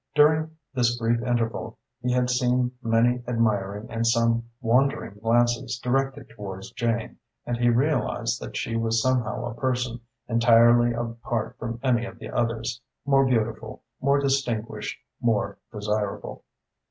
During this brief interval he had seen many admiring and some wondering glances directed towards Jane and he realised that she was somehow a person entirely apart from any of the others, more beautiful, more distinguished, more desirable.